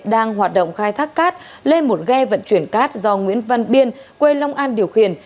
đang hoạt động khai thác cát lên một ghe vận chuyển cát do nguyễn văn biên quê long an điều khiển